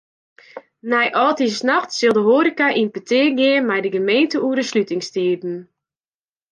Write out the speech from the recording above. Nei âldjiersnacht sil de hoareka yn petear gean mei de gemeente oer de slutingstiden.